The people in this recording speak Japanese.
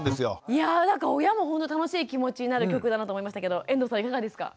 いやぁなんか親もほんと楽しい気持ちになる曲だなと思いましたけど遠藤さんいかがですか？